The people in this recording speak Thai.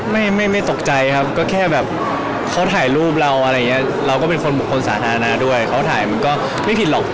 ตอนนี้คุณตกใจไหมครับตอนที่เห็นคุณตกใจไหมครับ